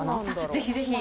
ぜひぜひ。